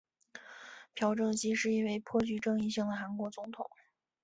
朴正熙是一位颇具争议性的韩国总统。